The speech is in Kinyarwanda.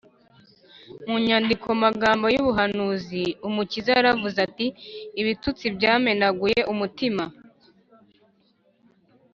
mu yandi magambo y’ubuhanuzi umukiza yaravuze ati, “ibitutsi byamenaguye umutima,